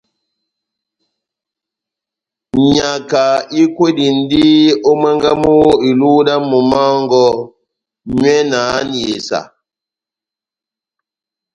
Nyaka ikwedindini ó mwángá mú iluhu dá momó wɔngɔ, nyɔ na háhani esa.